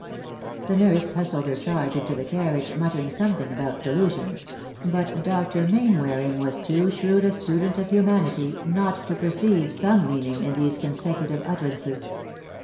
The nurse hustled her charge into the carriage, mut tering something about "delusions"; but Dr. Mainwaring was too shrewd a student of humanity not to perceive some meaning in these consecutive utterances.